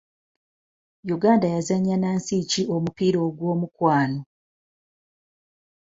Uganda yazannya na nsi ki omupiira ogw’omukwano?